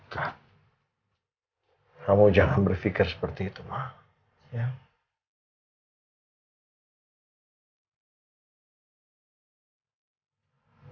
kak kamu jangan berpikir seperti itu mak